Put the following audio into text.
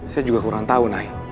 saya juga kurang tahu nai